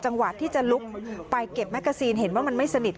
จังหวะที่จะลุกไปเก็บแมกกาซีนเห็นว่ามันไม่สนิท